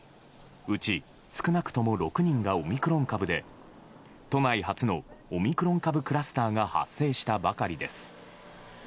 うち少なくとも６人がオミクロン株で都内初のオミクロン株クラスターが発生したばかりです。